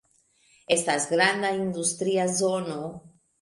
Estas granda industria zono.